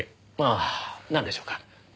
ああなんでしょうか？